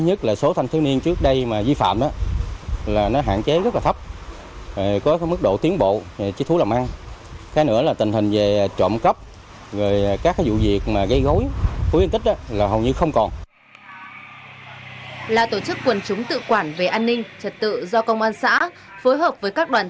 hội đạo tự phòng tự quản về an ninh trật tự trên địa bàn tỉnh sóc trăng cũng đã đóng góp quan trọng vào phong trào tỉnh